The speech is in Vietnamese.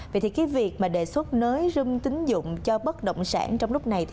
vậy thì việc đề xuất nới rung tín dụng cho bất động sản trong lúc này